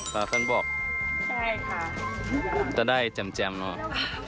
ค่ะฟังบอกใช่ค่ะจะได้แจ่มแจ่มเนอะ